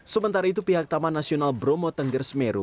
sementara itu pihak taman nasional bromo tengger semeru